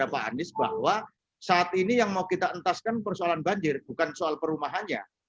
pak anies bahwa saat ini yang mau kita entaskan persoalan banjir bukan soal perumahannya